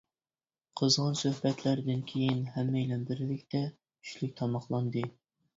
قىزغىن سۆھبەتلەردىن كېيىن، ھەممەيلەن بىرلىكتە چۈشلۈك تاماقلاندى.